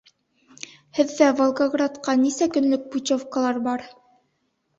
Һеҙҙә Волгоградҡа нисә көнлөк путевкалар бар?